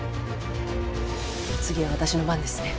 次は私の番ですね。